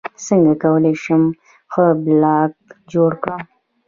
څنګه کولی شم ښه بلاګ جوړ کړم